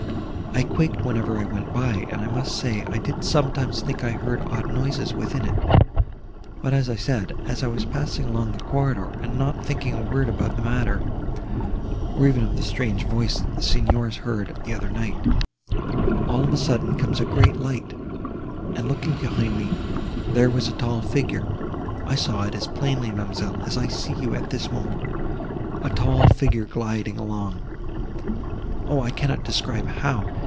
I quaked whenever I went by, and I must say, I did sometimes think I heard odd noises within it. But, as I said, as I was passing along the corridor, and not thinking a word about the matter, or even of the strange voice that the Signors heard the other night, all of a sudden comes a great light, and, looking behind me, there was a tall figure, (I saw it as plainly, ma'amselle, as I see you at this moment), a tall figure gliding along (Oh! I cannot describe how!)